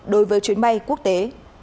đối với chuyến bay quốc tế